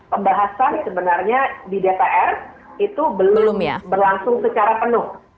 pembahasan sebenarnya di dpr itu belum berlangsung secara penuh